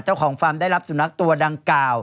ฟาร์มได้รับสุนัขตัวดังกล่าว